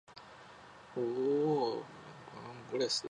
アン県の県都はブール＝カン＝ブレスである